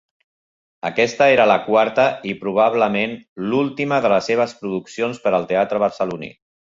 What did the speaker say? Aquesta era la quarta i probablement l'última de les seves produccions per al teatre barceloní.